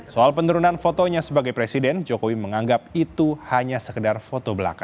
soal penurunan fotonya sebagai presiden jokowi menganggap itu hanya sekedar foto belaka